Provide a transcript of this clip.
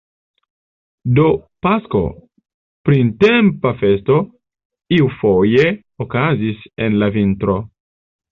Do Pasko, printempa festo, iufoje okazis en la vintro!